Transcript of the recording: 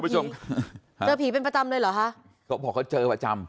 เจอผีเป็นประจำเลยหรอฮะเขาบอกว่าเจอประจำ